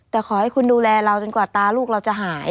แต่ขอให้คุณดูแลเราจนกว่าตาลูกเราจะหาย